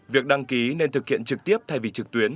việc đăng ký nên thực hiện trực tiếp thay vì trực tuyến